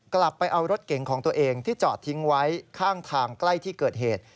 กลับไปเอารถเก๋งของตัวเองที่จอดทิ้งไว้ข้างทางใกล้ที่เกิดเหตุ